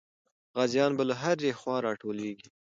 غازیان به له هرې خوا راټولېږي.